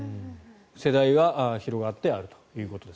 世代は広がってあると。